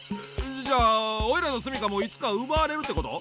じゃおいらのすみかもいつかうばわれるってこと？